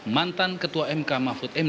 mantan ketua mk mahfud md